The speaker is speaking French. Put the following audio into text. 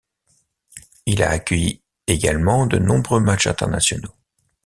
Il a accueilli également de nombreux matchs internationaux.